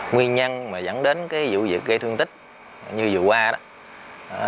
nguyên nhân mà dẫn đến cái vụ việc gây thương tích như vừa qua đó